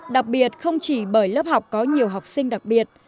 đặc biệt không chỉ bởi lớp học có nhiều học sinh đặc biệt